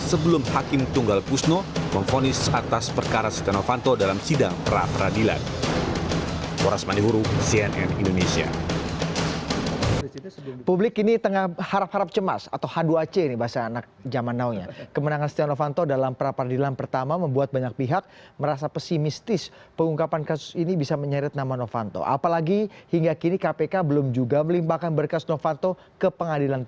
sebelum hakim tunggal kusno memfonis atas perkara setia novanto dalam sidang perapradilan